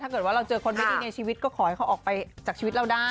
ถ้าเกิดว่าเราเจอคนไม่ดีในชีวิตก็ขอให้เขาออกไปจากชีวิตเราได้